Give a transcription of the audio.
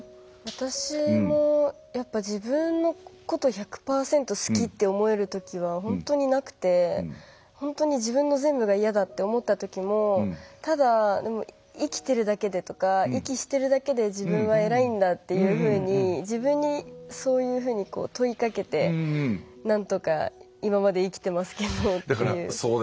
私も自分のこと、１００％好きって思えるときって本当になくて本当に自分の全部が嫌だって思ったときもただ生きてるだけでとか息してるだけでとか自分は偉いんだっていうふうに自分にそういうふうに問いかけてなんとか今まで生きてますけどっていう。